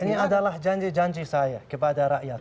ini adalah janji janji saya kepada rakyat